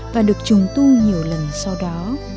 và được trùng tu nhiều lần sau đó